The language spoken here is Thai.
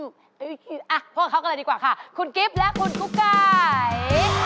พวกเขากันเลยดีกว่าค่ะคุณกิฟต์และคุณกุ๊กไก่